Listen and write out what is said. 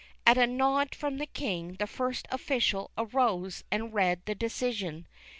At a nod from the King, the First Ofticial arose, and read the decision.